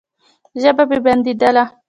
ژبه مې بنديدله.